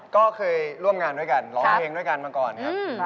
ก็เคยร่วมงานด้วยกันร้องเพลงด้วยกันมาก่อนครับ